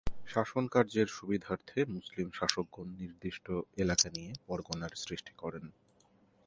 শাসন কার্যের সুবিধার্থে মুসলিম শাসকগণ নির্দিষ্ট এলাকা নিয়ে পরগনার সৃষ্টি করেন।